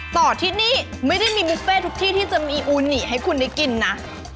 ต่อที่นี่ไม่ได้มีบุฟเฟ่ทุกที่ที่จะมีอูนิให้คุณได้กินนะ